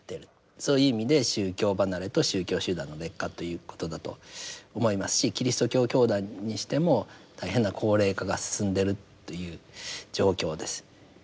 そういう意味で宗教離れと宗教集団の劣化ということだと思いますしキリスト教教団にしても大変な高齢化が進んでいるという状況です。